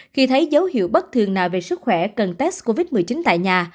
khi thấy dấu hiệu bất thường nào về sức khỏe cần test covid một mươi chín tại nhà